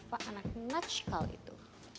reva anak natchkal itu